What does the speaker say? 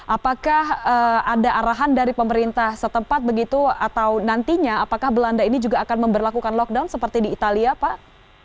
apakah ada arahan dari pemerintah setempat begitu atau nantinya apakah belanda ini juga akan memperlakukan lockdown seperti di italia pak